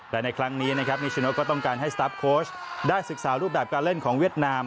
และในครั้งนี้นะครับนิชโนก็ต้องการให้สตาร์ฟโค้ชได้ศึกษารูปแบบการเล่นของเวียดนาม